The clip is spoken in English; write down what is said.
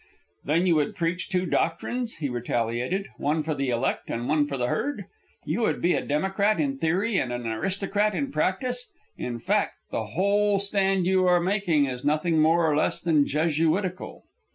"Then you would preach two doctrines?" he retaliated. "One for the elect and one for the herd? You would be a democrat in theory and an aristocrat in practice? In fact, the whole stand you are making is nothing more or less than Jesuitical."